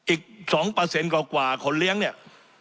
อีก๒เปอร์เซ็นต์กว่าคนเลี้ยงเนี่ย